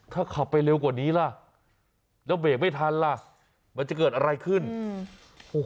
ถ้าขับไปเร็วกว่านี้ล่ะแล้วเบรกไม่ทันล่ะมันจะเกิดอะไรขึ้นอืมโอ้โห